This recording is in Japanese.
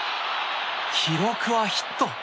記録はヒット。